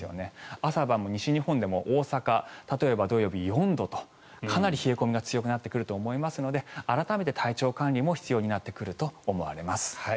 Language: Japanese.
朝晩も西日本でも大阪、例えば土曜日４度とかなり冷え込みが強くなってくると思いますので改めて体調管理も必要になってくると思われます。